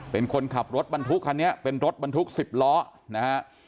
เป็นคนขับรถบรรทุกคันนี้เป็นรถบรรทุก๑๐ล้อนะฮะ